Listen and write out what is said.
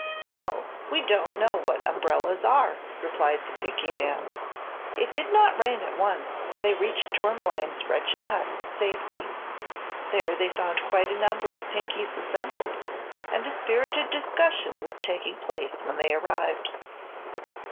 "No; we don't know what umbrellas are," replied the Pinky man. It did not rain at once and they reached Tourmaline's wretched hut in safety. There they found quite a number of Pinkies assembled, and a spirited discussion was taking place when they arrived.